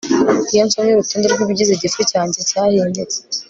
Iyo nsomye urutonde rwibigize igifu cyanjye cyahindutse